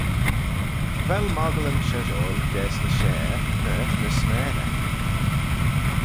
Vel moggylyn sheshoil gaase ny share ny ny smessey?